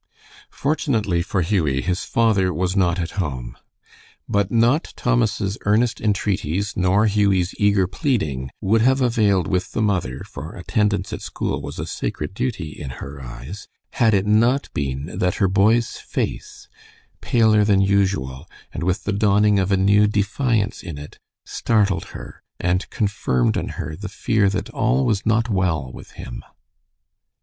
Fortunately for Hughie, his father was not at home. But not Thomas's earnest entreaties nor Hughie's eager pleading would have availed with the mother, for attendance at school was a sacred duty in her eyes, had it not been that her boy's face, paler than usual, and with the dawning of a new defiance in it, startled her, and confirmed in her the fear that all was not well with him.